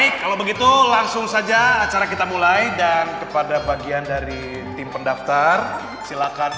baik kalau begitu langsung saja acara kita mulai dan kepada bagian dari tim pendaftar silakan